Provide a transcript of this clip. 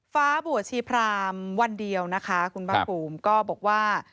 ฟ้าบัวชีพรามวันเดียวนะคะคุณภาคภูมิก็บอกว่า